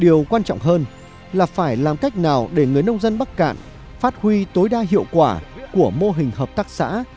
điều quan trọng hơn là phải làm cách nào để người nông dân bắc cạn phát huy tối đa hiệu quả của mô hình hợp tác xã